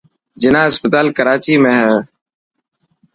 جناح اسپتال ڪراچي ۾ هي.